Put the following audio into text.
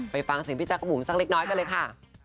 ไปฟังเสียงพี่จักรบุ๋มสักเล็กน้อยกันเลยค่ะ